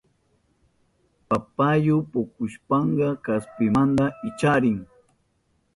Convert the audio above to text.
Papayu pukushpanka kaspimanta wicharin.